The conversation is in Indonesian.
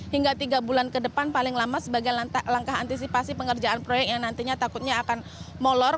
hingga tiga bulan ke depan paling lama sebagai langkah antisipasi pengerjaan proyek yang nantinya takutnya akan molor